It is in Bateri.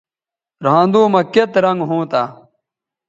رھاندو مہ کیئت رنگ ھونتہ